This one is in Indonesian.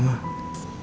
aku jatuh cinta ma